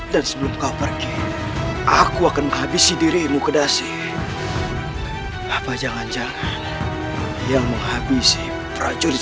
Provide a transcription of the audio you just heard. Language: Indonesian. dan sebelum kau pergi aku akan menghabisi dirimu kedasi apa jangan jangan yang menghabisi prajurit